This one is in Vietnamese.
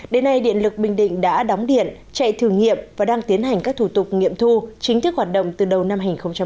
đến nay điện lực bình định đã đóng điện chạy thử nghiệm và đang tiến hành các thủ tục nghiệm thu chính thức hoạt động từ đầu năm hai nghìn hai mươi